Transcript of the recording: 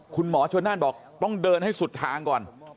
คุณหมอชนนั่นบอกต้องเดินให้สุดทางก่อน